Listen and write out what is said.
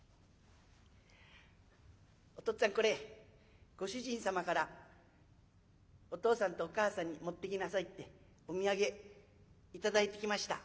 「お父っつぁんこれご主人様からお父さんとお母さんに持っていきなさいってお土産頂いてきました」。